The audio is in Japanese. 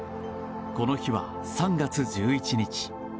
この日は３月１１日。